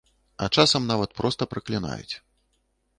А часам нават проста праклінаюць.